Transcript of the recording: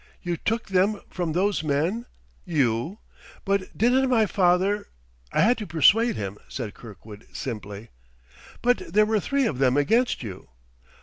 "You took them from those men? you!... But didn't my father ?" "I had to persuade him," said Kirkwood simply. "But there were three of them against you!"